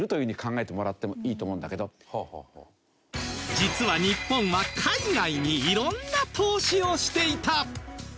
実は日本は海外に色んな投資をしていた